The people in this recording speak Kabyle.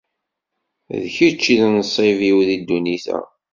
D kečč i d nnṣib-iw di ddunit-a.